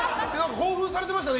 興奮されてましたね